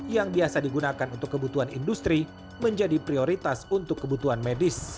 yang biasa digunakan untuk kebutuhan industri menjadi prioritas untuk kebutuhan medis